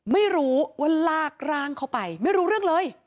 ไม่รู้ว่าลากร่างเข้าไปไม่รู้เรื่องเลย